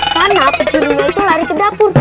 karena pencurungnya itu lari ke dapur